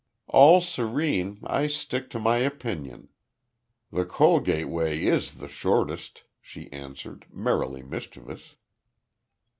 "All serene, I still stick to my opinion. The Cholgate way is the shortest," she answered, merrily mischievous.